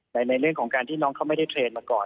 ในเรื่องของการที่น้องเขาไม่ได้เทรนดมาก่อน